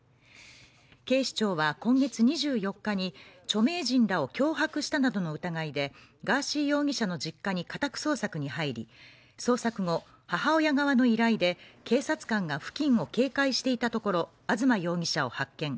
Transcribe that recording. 警視庁は今月２４日に、著名人らを脅迫したなどの疑いでガーシー容疑者の実家に家宅捜索に入り、捜索後、母親側の依頼で警察官が付近を警戒していたところ、東容疑者を発見。